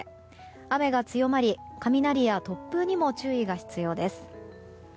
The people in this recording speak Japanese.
雨が強まり、雷や突風にも注意が必要です。